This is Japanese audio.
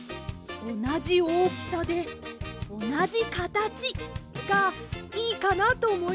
おなじおおきさでおなじかたちがいいかなとおもいまして。